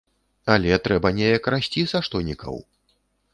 Але трэба неяк расці са штонікаў.